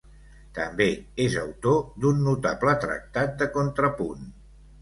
També és autor d'un notable tractat de contrapunt.